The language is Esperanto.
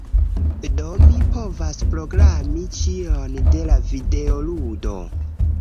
Do mi povas programi ĉion de la videoludo.